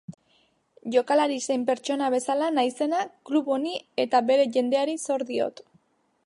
Jokalari zein pertsona bezala naizena klub honi eta bere jendeari zor diot.